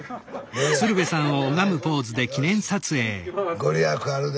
御利益あるで。